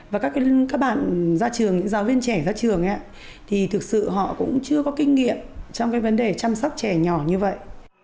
và các bạn giáo viên trẻ ra trường thì thực sự họ cũng chưa có kinh nghiệm trong vấn đề chăm sóc trẻ nhỏ như vậy